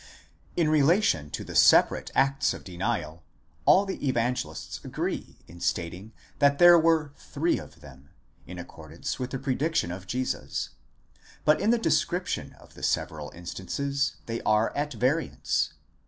In relation to the separate acts of denial, all the Evangelists agree in stating that there were three of them, in accordance with the prediction of Jesus; but in the description of the several instances they are at variance.